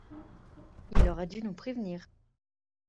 Il aurait dû nous prévenir.